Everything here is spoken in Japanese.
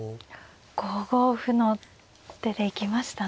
５五歩の手で行きましたね。